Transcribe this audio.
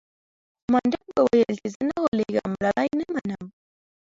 خو منډک به ويل چې زه نه غولېږم لالا نه يې منم.